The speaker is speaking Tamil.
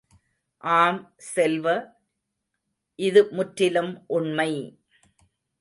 ஆம் செல்வ, இது முற்றிலும் உண்மை!